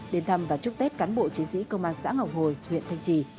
đến thăm và chúc tết cán bộ chiến sĩ công an xã ngọc hồi huyện thanh trì